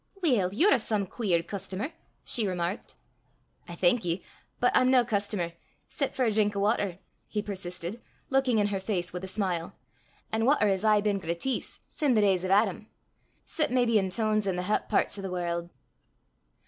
"Weel, ye're a some queer customer!" she remarked. "I thank ye, but I'm nae customer, 'cep' for a drink o' watter," he persisted, looking in her face with a smile; "an' watter has aye been grâtis sin' the days o' Adam 'cep' maybe i' toons i' the het pairts o' the warl'."